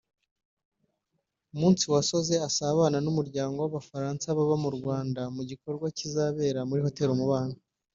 umunsi awusoze asabana n’Umuryango w’Abafaransa baba mu Rwanda mu gikorwa kizabera muri Hôtel Umubano